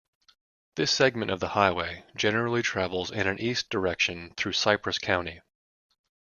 This segment of the highway generally travels in an east direction through Cypress County.